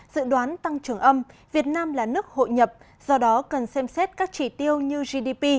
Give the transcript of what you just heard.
dự đoán tăng trưởng âm việt nam là nước hội nhập do đó cần xem xét các chỉ tiêu như gdp